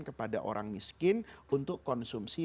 kepada orang miskin untuk konsumsi